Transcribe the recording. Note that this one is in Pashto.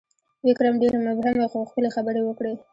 ویکرم ډېرې مبهمې، خو ښکلي خبرې وکړې: